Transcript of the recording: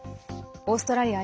オーストラリア